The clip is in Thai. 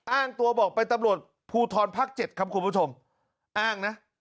อ้างตัวบอกไปตำรวจภูทรภาค๗ครับคุณผู้ชมอ้างนะ